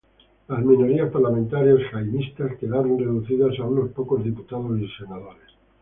Las minorías parlamentarias jaimistas quedaron reducidas a unos pocos diputados y senadores.